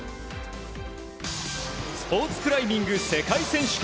スポーツクライミング世界選手権。